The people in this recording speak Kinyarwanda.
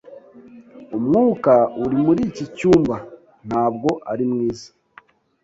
Umwuka uri muri iki cyumba ntabwo ari mwiza.